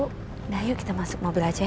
udah yuk kita masuk mobil aja ya